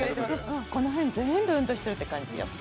この辺全部運動してるって感じよ。